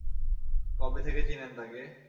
কবে থেকে চিনেন তাকে?